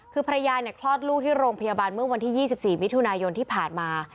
คือภรรยาคลอดลูกที่โรงพยาบาลเมื่อวันที่๒๔มิถุนายนที่ผ่านมา